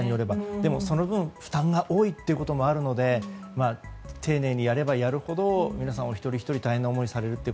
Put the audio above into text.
でも、その分負担が多いということもあるので丁寧にやればやるほどお一人お一人大変な思いをされるという。